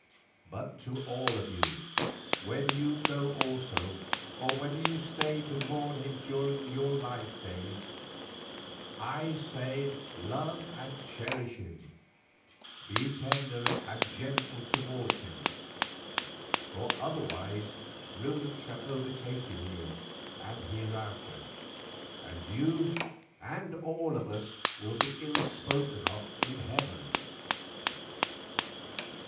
But to all of you, whether you go also, or whether you stay to mourn him during your life days, I say love and cherish him, be tender and gentle towards him, for otherwise ruin shall overtake you here and hereafter, and you and all of us will be ill spoken of in heaven.